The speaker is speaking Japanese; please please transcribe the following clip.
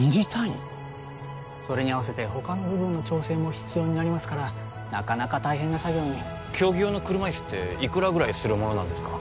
それに合わせて他の部分の調整も必要になりますからなかなか大変な作業に競技用の車いすっていくらぐらいするものなんですか？